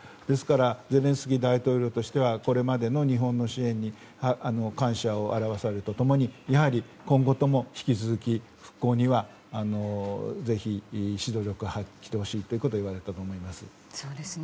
ですからゼレンスキー大統領としてはこれまでの日本の支援に感謝を表されるとともにやはり今後とも引き続き復興にはぜひ指導力を発揮してほしいということを言われたと思います。